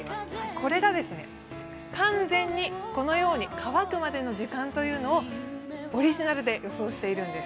これが完全に乾くまでの時間というのをオリジナルで予想しているんです。